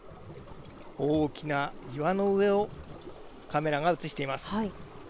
大きな岩の上をカメラが映しています。